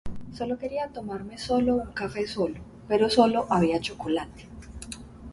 Sólo quería tomarme solo un café solo, pero sólo había chocolate.